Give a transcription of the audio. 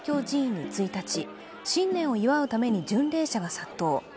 寺院に１日、新年を祝うために巡礼者が殺到。